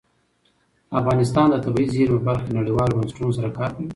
افغانستان د طبیعي زیرمې په برخه کې نړیوالو بنسټونو سره کار کوي.